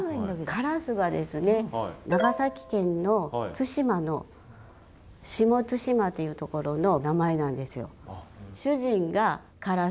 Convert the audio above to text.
唐洲はですね長崎県の対馬の下対馬っていうところの名前なんですよ。